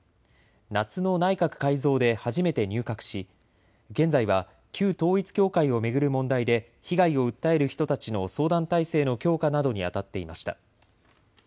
夏の内閣改造で初めて入閣し現在は旧統一教会を巡る問題で被害を訴える人たちの相談体制の強化などにあたっていました。